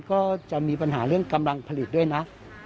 ก็จะมีปัญหาเรื่องกำลังผลิตด้วยนะ